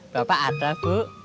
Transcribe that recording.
bapak ada bu